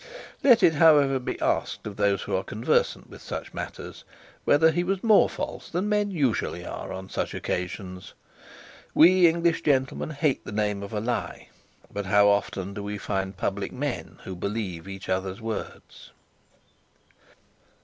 Let it, however, be asked of those who are conversant with such matters, whether he was more false than men usually are on such occasions. We English gentlemen hate the name of a lie; but how often do we find public men who believe each other's words?